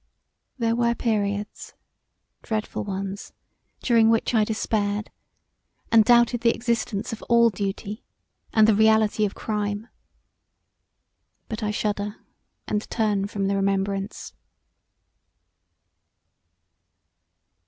There were periods, dreadful ones, during which I despaired & doubted the existence of all duty & the reality of crime but I shudder, and turn from the rememberance.